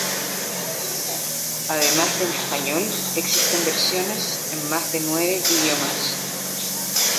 Además de en español, existen versiones de en más de nueve idiomas.